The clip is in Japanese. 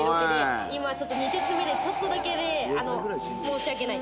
今、２徹目でちょっとだけ申し訳ない。